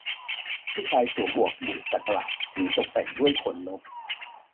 ผู้ชายสวมหมวกบุสักหลาดที่ตกแต่งด้วยขนนก